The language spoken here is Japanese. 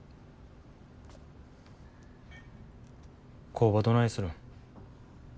工場どないするん。